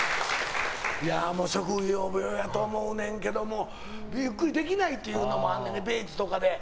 職業病やと思うねんけどもゆっくりできないというのもあんねん、ビーチとかで。